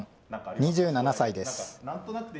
２７歳です。